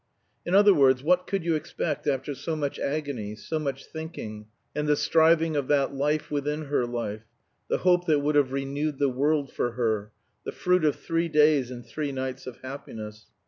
In other words, what could you expect after so much agony, so much thinking, and the striving of that life within her life, the hope that would have renewed the world for her the fruit of three days and three nights of happiness?